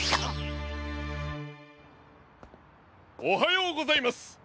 おはようございます！